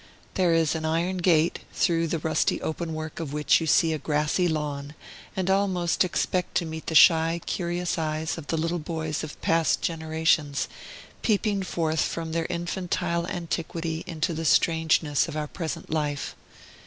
There is an iron gate, through the rusty open work of which you see a grassy lawn, and almost expect to meet the shy, curious eyes of the little boys of past generations, peeping forth from their infantile antiquity into the strangeness of our present life.